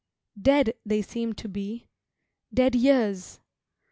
Dead they seem to be Dead years!